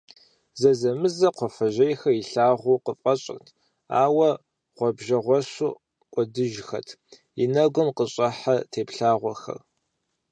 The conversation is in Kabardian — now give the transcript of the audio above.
Зэзэмызэ кхъуафэжьейхэр илъагъуу къыфӏэщӏырт, ауэ гъуабжэгъуэщу кӏуэдыжхэрт и нэгу къыщӏыхьэ теплъэгъуэхэр.